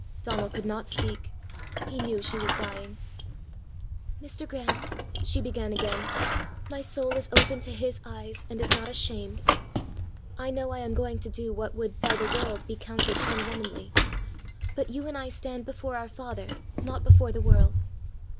Donal could not speak. He knew she was dying. "Mr. Grant," she began again, "my soul is open to his eyes, and is not ashamed. I know I am going to do what would by the world be counted unwomanly; but you and I stand before our Father, not before the world.